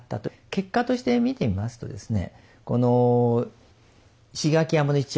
結果として見てみますとですね